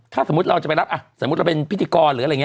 ถ้าสมมุติเราจะไปรับอ่ะสมมุติเราเป็นพิธีกรหรืออะไรอย่างนี้